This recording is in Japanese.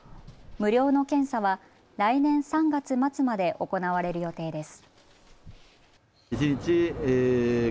無料の検査は来年３月末まで行われる予定です。